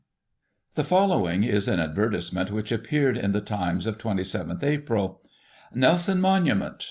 The following is an advertisement which appeared in the Times of 27th April: — "NELSON MONUMENT.